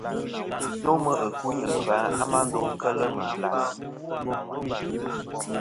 Nomɨ ɨkuyn ;kfà a ma ndo kel màtlas.